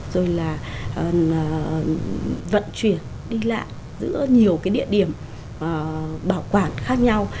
rồi là vận chuyển đi lại giữa nhiều cái địa điểm bảo quản khác nhau